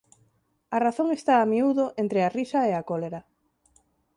A razón está a miúdo entre a risa e a cólera.